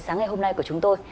sáng ngày hôm nay của chúng tôi